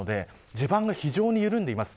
地盤が非常に緩んでいます。